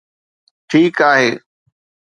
ٺيڪ آهي